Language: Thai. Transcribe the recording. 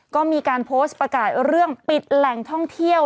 ก็มีการโพสต์ประกาศเรื่องปิดแหล่งท่องเที่ยว